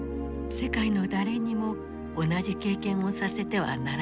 世界の誰にも同じ経験をさせてはならない。